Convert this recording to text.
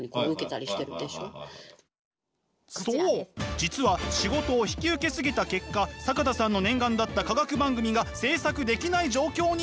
実は仕事を引き受け過ぎた結果坂田さんの念願だった化学番組が制作できない状況に！